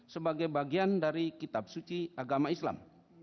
sebagai bagian dari kitab suci agama islam